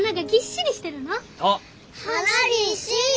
花ぎっしり？